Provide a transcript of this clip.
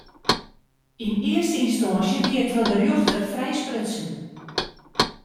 Yn earste ynstânsje wie er troch de rjochter frijsprutsen.